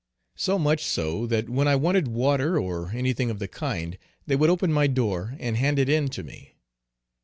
So much so, that when I wanted water or anything of the kind, they would open my door and hand it in to me.